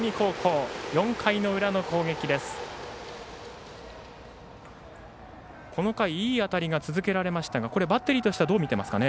この回いい当たりが続けられましたがバッテリーとしてはどう見ていますかね。